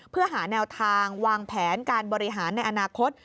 เพื่อหาแนวทางวางแผนการบริหารในอนาคต